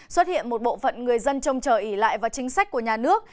xuất hiện một bộ phận người dân trông chờ ỉ lại vào chính sách của nhà nước